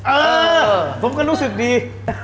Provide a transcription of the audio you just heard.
เออผมก็รู้สึกดี